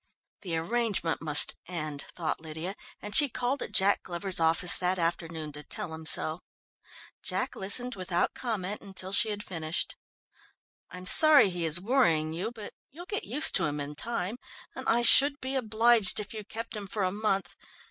The arrangement must end, thought Lydia, and she called at Jack Glover's office that afternoon to tell him so. Jack listened without comment until she had finished. "I'm sorry he is worrying you, but you'll get used to him in time, and I should be obliged if you kept him for a month.